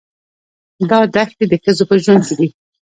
دا دښتې د ښځو په ژوند کې دي.